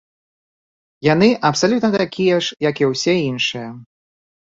Яны абсалютна такія ж, як і ўсе іншыя.